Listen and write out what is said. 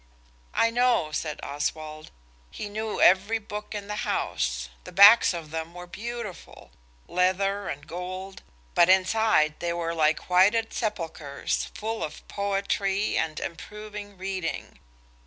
"I know," said Oswald. He knew every book in the house. The backs of them were beautiful–leather and gold–but inside they were like whited sepulchres, full of poetry and improving reading.